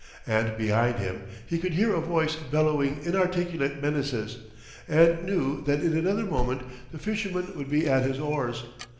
And behind him he could hear a voice bellowing inarticulate menaces, and knew that in another moment the fisherman would be at his oars.